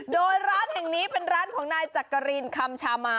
โดยร้านแห่งนี้เป็นร้านของนายจักรินคำชามา